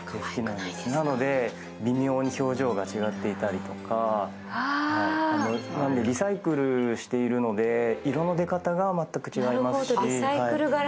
なので微妙に表情が違っていたりとか、リサイクルしているので、色の出方が全く違いますし。